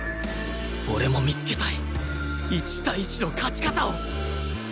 俺も見つけたい１対１の勝ち方を！